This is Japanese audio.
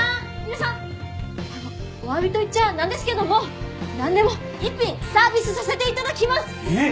あのおわびと言っちゃなんですけども何でも１品サービスさせていただきます！えっ！？